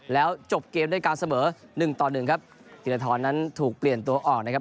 แล้วจบเกมด้วยการเสมอหนึ่งต่อหนึ่งครับธีรทรนั้นถูกเปลี่ยนตัวออกนะครับ